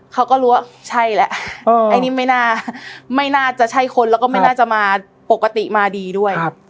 เขาก็รู้ว่าใช่แหละอันนี้ไม่น่าจะใช่คนแล้วก็ไม่น่าจะมาปกติมาดีด้วย